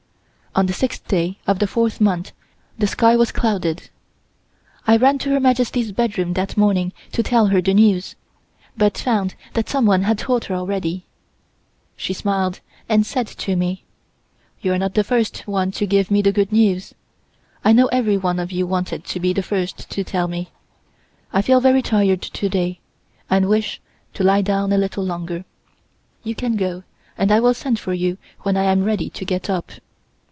On the sixth day of the fourth moon the sky was clouded. I ran to Her Majesty's bedroom that morning to tell her the news, but found that someone had told her already. She smiled, and said to me: "You are not the first one to give me the good news. I know everyone of you wanted to be the first to tell me. I feel very tired today, and wish to lie down a little longer. You can go, and I will send for you when I am ready to get up."